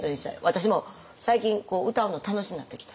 私も最近歌うの楽しなってきた。